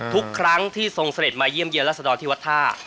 ทุกครั้งที่ทรงเสด็จมาเยี่ยมเยียรัศดรที่วัดท่า